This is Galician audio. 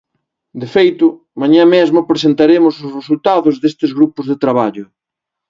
De feito, mañá mesmo presentaremos os resultados destes grupos de traballo.